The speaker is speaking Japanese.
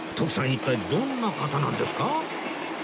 一体どんな方なんですか？